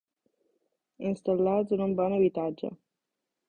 Instal·lats en un bon habitatge.